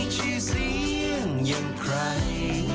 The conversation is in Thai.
เธอได้รู้ได้